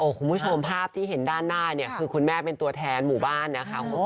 คุณผู้ชมภาพที่เห็นด้านหน้าเนี่ยคือคุณแม่เป็นตัวแทนหมู่บ้านนะคะ